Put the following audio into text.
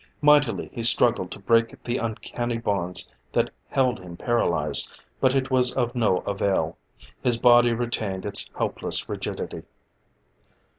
Mightily he struggled to break the uncanny bonds that held him paralyzed, but it was of no avail. His body retained its helpless rigidity.